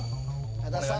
矢田さん